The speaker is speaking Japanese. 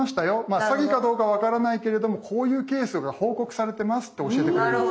詐欺かどうか分からないけれどもこういうケースが報告されてますって教えてくれるんです。